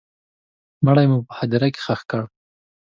مړی مو هدیره کي ښخ کړی